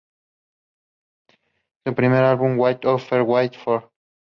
Su primer álbum What Are You Wait For?